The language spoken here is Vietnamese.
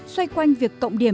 xoay quanh việc cộng điểm